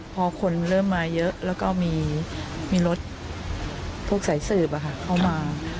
พอคนเริ่มมาเยอะแล้วก็มีรถพวกสายสืบเข้ามา